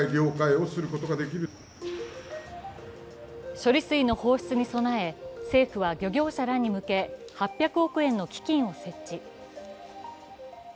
処理水の放出に備え、政府は漁業者らに向け８００億円の基金を設置。